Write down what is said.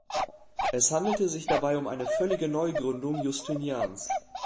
Es handelte sich dabei um eine völlige Neugründung Justinians.